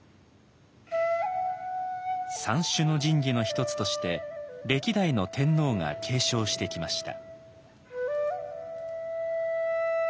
「三種の神器」の一つとして歴代の天皇が継承してきました。